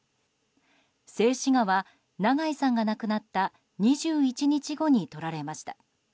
静止画は長井さんが亡くなった２１日後に撮られました。